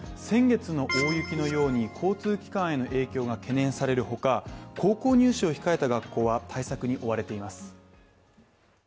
先月の大雪のように交通機関への影響が懸念されるほか高校入試を控えた学校は対策に追われています。